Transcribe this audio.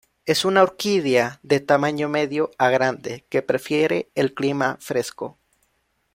Es una orquídea de tamaño medio a grande que prefiere el clima fresco.